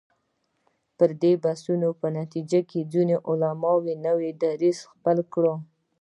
د دې بحثونو په نتیجه کې ځینو علماوو نوی دریځ خپل کړ.